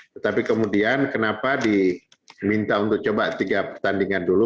tetapi kemudian kenapa diminta untuk coba tiga pertandingan dulu